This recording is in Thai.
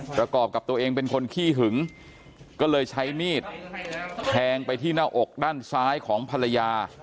ประกอบกับตัวเองเป็นคนขี้หึงก็เลยใช้มีดแทงไปที่หน้าอกด้านซ้ายของภรรยา